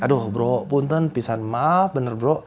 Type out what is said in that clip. aduh bro punten pisan maaf bener bro